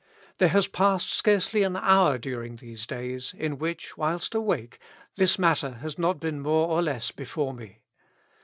There has passed scarcely an hour during these days, in which, whilst awake, this matter has not been more or less before me.